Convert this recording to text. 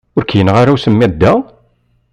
Ur k-yenɣi ara usemmiḍ da?